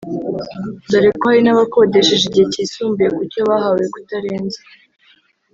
dore ko hari n’abakodesheje igihe kisumbuye ku cyo bahawe kutarenza